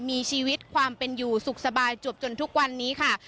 มีชีวิตความเป็นอยู่สุขสบายจวบจนทุกวันนี้ค่ะ